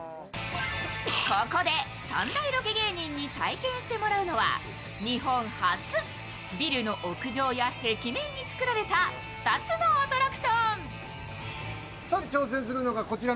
ここで三大ロケ芸人に体験してもらうのは日本初、ビルの屋上や壁面に造られた２つのアトラクション。